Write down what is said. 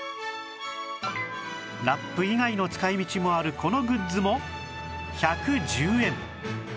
ラップ以外の使い道もあるこのグッズも１１０円！